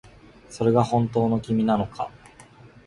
それが本当の君なのか